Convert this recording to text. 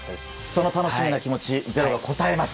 その楽しみな気持ち「ｚｅｒｏ」が応えます。